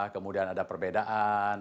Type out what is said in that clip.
kemudian ada perbedaan